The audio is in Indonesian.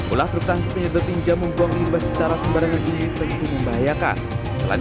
olahraga tangki penyedotin jayang membuang limbah secara sembarangan ini begitu membahayakan selain